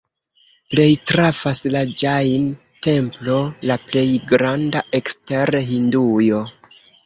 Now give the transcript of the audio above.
Plej trafas la Ĵain-templo, la plej granda ekster Hindujo.